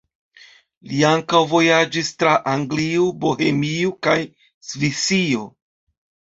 Li ankaŭ vojaĝis tra Anglio, Bohemio kaj Svisio.